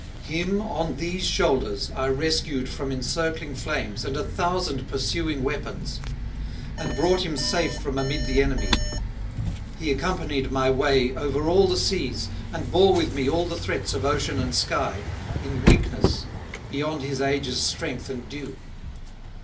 Him on these shoulders I rescued from encircling flames and a thousand pursuing weapons, and brought him safe from amid the enemy; he accompanied my way over all the seas, and bore with me all the threats of ocean and sky, in weakness, beyond his age's strength and due.